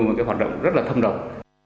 một cái hoạt động rất là thâm động